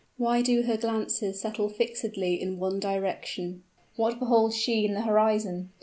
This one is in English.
Why do her glances settle fixedly in one direction? What beholds she in the horizon?